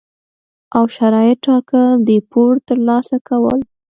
او شرایط ټاکل، د پور ترلاسه کول،